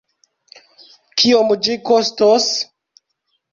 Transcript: Kiom ĝi kostos?